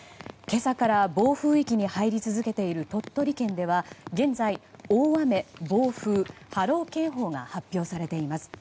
今朝から暴風域に入り続けている鳥取県では現在、大雨・暴風・波浪警報が発表されています。